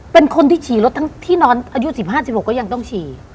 เป็นคนที่ขี่รถทั้งที่นอนอายุ๑๕๑๖ก็ยังต้องฉี่